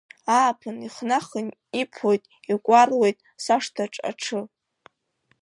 Ааԥын ихнахын, иԥоит, икәаруеит сашҭаҿ аҽы.